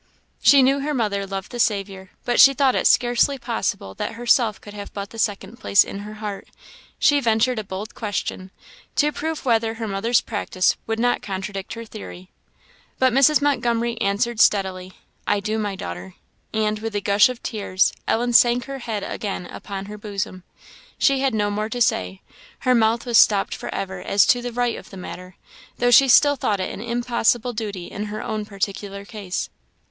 _" She knew her mother loved the Saviour, but she thought it scarcely possible that herself could have but the second place in her heart; she ventured a bold question, to prove whether her mother's practice would not contradict her theory. But Mrs. Montgomery answered steadily, "I do, my daughter;" and, with a gush of tears, Ellen sank her head again upon her bosom. She had no more to say; her mouth was stopped for ever as to the right of the matter, though she still thought it an impossible duty in her own particular case.